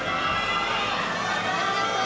ありがとう！